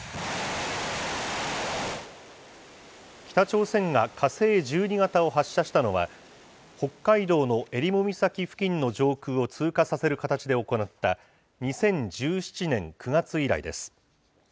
北朝鮮が、火星１２型を発射したのは、北海道の襟裳岬付近の上空を通過させる形で行った、２０１７年９月以来です。